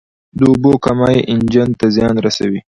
د اوبو کمی انجن ته زیان رسوي.